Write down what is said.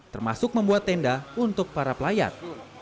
termasuk membuat tenda untuk para pelayat